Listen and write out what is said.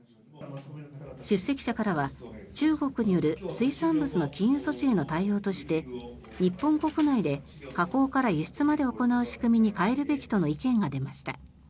出席者からは中国による水産物の禁輸措置への対応として日本国内で加工から輸出まで行う仕組みに変えるべきとの意見が出ました。